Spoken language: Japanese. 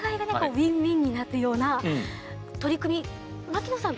ウィンウィンになるような取り組み槙野さん